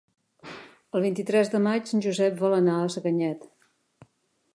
El vint-i-tres de maig en Josep vol anar a Sacanyet.